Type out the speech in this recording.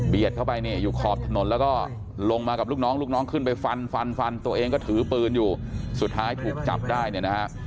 เข้าไปเนี่ยอยู่ขอบถนนแล้วก็ลงมากับลูกน้องลูกน้องขึ้นไปฟันฟันฟันตัวเองก็ถือปืนอยู่สุดท้ายถูกจับได้เนี่ยนะฮะ